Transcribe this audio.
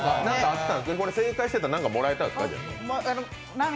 正解したら何かもらえたんですか？